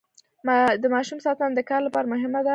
د ماشوم ساتنه د کار لپاره مهمه ده.